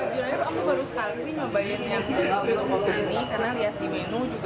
jelai aku baru sekali sih ngebayangin yang gagal untuk kopi ini karena lihat di menu